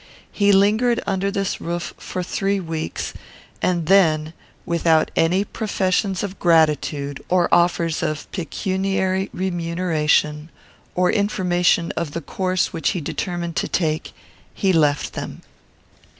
He lingered under this roof for three weeks, and then, without any professions of gratitude, or offers of pecuniary remuneration, or information of the course which he determined to take, he left them.